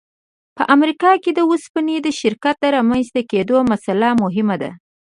په امریکا کې د اوسپنې د شرکت د رامنځته کېدو مسأله مهمه ده